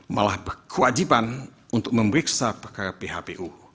malah berkewajiban untuk memeriksa perkara phpu